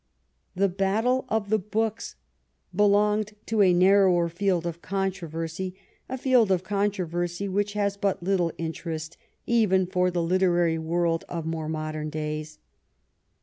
The Battle of the Books belonged to a narrower field of controversy, a field of controversy which has but little interest even for the literary world of more modem days.